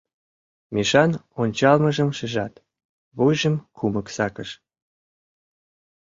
Мишан ончалмыжым шижат, вуйжым кумык сакыш.